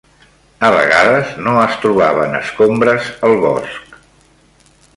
A vegades no es trobaven escombres al bosc.